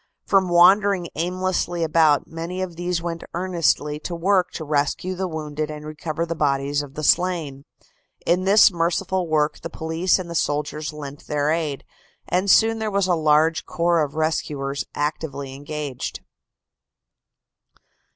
From wandering aimlessly about, many of these went earnestly to work to rescue the wounded and recover the bodies of the slain. In this merciful work the police and the soldiers lent their aid, and soon there was a large corps of rescuers actively engaged.